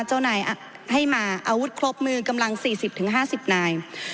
เจ้านายอ่ะให้มาอาวุธครบมือกำลังสี่สิบถึงห้าสิบนาย